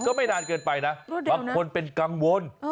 ไม่นานเกินไปนะบางคนเป็นกังวล